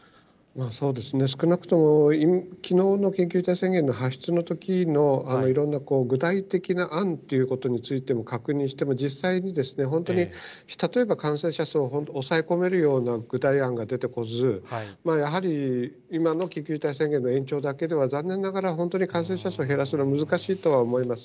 少なくともきのうの緊急事態宣言の発出のときの、いろんな具体的な案ということについても確認しても、実際に、本当に、例えば感染者数を本当に抑え込めるような具体案が出てこず、やはり今の緊急事態宣言の延長だけでは、残念ながら、本当に感染者数を減らすのは難しいとは思います。